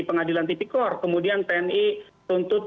pengadilan tipikor kemudian tni tuntut